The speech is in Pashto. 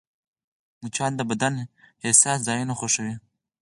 مچان د بدن حساس ځایونه خوښوي